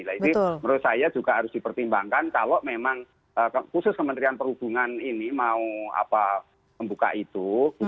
jadi menurut saya juga harus dipertimbangkan kalau memang khusus kementerian perhubungan ini mau membuka itu